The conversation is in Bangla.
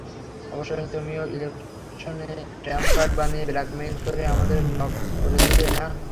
অবশেষে তুমিও ইলেকশনকে ট্রাম্পকার্ড বানিয়ে, ব্ল্যাকমেইল করে আমাদের লকড করে দিলে, না?